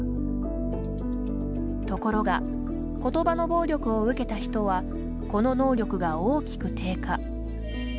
ところが言葉の暴力を受けた人はこの能力が大きく低下。